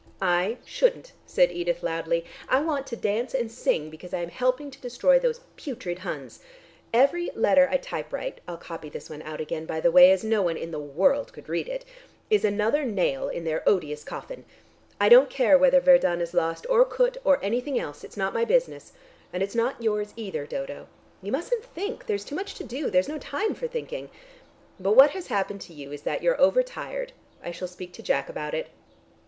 "I shouldn't," said Edith loudly. "I want to dance and sing because I am helping to destroy those putrid Huns. Every letter I typewrite I'll copy this one out again by the way, as no one in the world could read it is another nail in their odious coffin. I don't care whether Verdun is lost or Kut or anything else. It's not my business. And it's not your's either, Dodo. You mustn't think; there's too much to do; there's no time for thinking. But what has happened to you is that you're overtired. I shall speak to Jack about it."